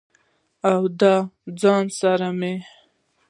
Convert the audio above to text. او د ځان سره مې